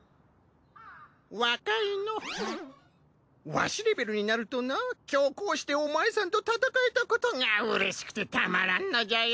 わしレベルになるとな今日こうしてお前さんと戦えたことがうれしくてたまらんのじゃよ。